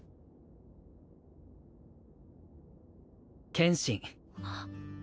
剣心。